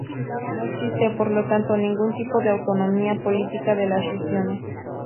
No existe, por lo tanto, ningún tipo de autonomía política de las regiones.